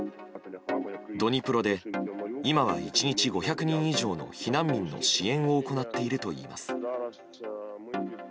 ドニプロで今は１日５００人以上の避難民の支援を行っているといいます。